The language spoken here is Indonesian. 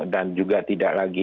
dan juga tidak lagi